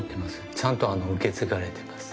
ちゃんと受け継がれています。